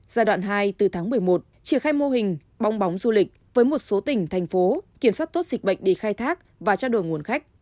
giai đoạn hai từ tháng một mươi một triển khai mô hình bong bóng du lịch với một số tỉnh thành phố kiểm soát tốt dịch bệnh để khai thác và trao đổi nguồn khách